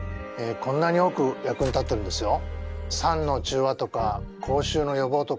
こんなに多く役に立ってるんですよ。